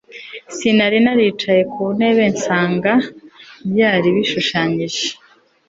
Sinari naricaye ku ntebe nsanga byari bishushanyije